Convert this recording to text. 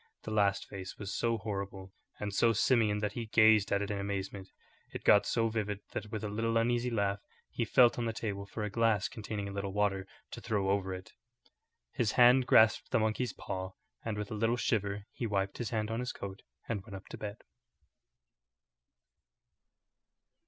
The last face was so horrible and so simian that he gazed at it in amazement. It got so vivid that, with a little uneasy laugh, he felt on the table for a glass containing a little water to throw over it. His hand grasped the monkey's paw, and with a little shiver he wiped his hand on his coat and went up to bed.